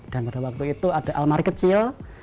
dan pada waktu itu ada almari kecil